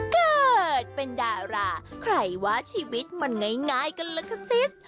เกิดเป็นดาราใครว่าชีวิตมันง่ายกันล่ะคะซิส